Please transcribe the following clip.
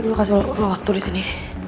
oke gue kasih lo waktu disini